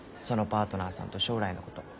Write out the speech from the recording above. そのパートナーさんと将来のこと。